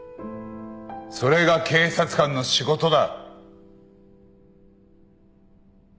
それが警察官の仕事だ。